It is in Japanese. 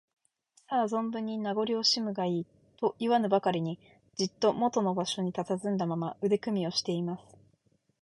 「さあ、ぞんぶんに名ごりをおしむがいい」といわぬばかりに、じっともとの場所にたたずんだまま、腕組みをしています。